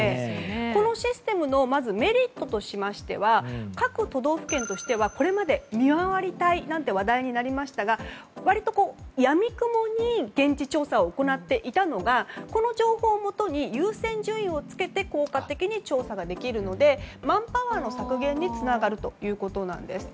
このシステムのメリットとしましては各都道府県としてはこれまで見回り隊などと話題になりましたが割と闇雲に現地調査を行っていたのがこの情報をもとに優先順位をつけて効果的に調査ができるのでマンパワーの削減につながるということなんです。